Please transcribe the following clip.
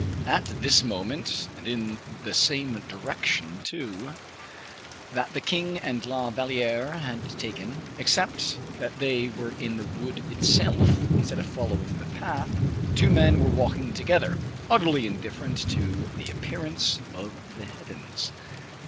At this moment, and in the same direction, too, that the king and La Valliere had taken, except that they were in the wood itself instead of following the path, two men were walking together, utterly indifferent to the appearance of the heavens.